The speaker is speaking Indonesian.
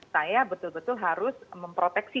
saya betul betul harus memproteksi